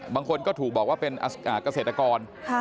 บางคนก็ถูกบอกว่าเป็นเกษตรกร